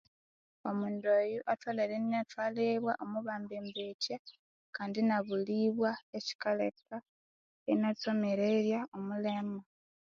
Omundu oyo atholere inyathwalibwa omu bembembethya kandi inyabulibwa ekyikaleka inya tsomererya omulema